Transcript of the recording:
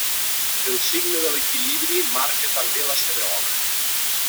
El signe de l'equilibri marca també la seva obra.